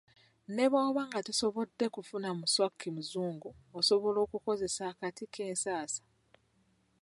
Ne bw'oba nga tosobodde kufuna muswaki muzungu, osobola okukozesa akati k'ensasa.